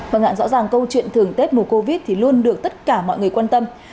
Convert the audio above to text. và ngạn rõ ràng câu chuyện thưởng tết mùa covid thì luôn được tất cả mọi người quan tâm